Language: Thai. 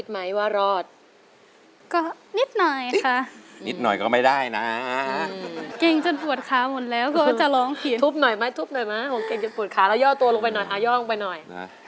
จุดปลอดภัย